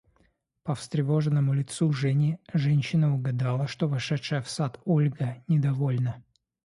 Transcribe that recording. По встревоженному лицу Жени женщина угадала, что вошедшая в сад Ольга недовольна.